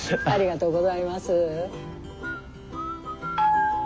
ありがとうございます。